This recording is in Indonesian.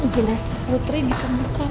jinasa putri di temukan